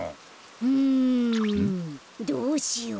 うんどうしよう。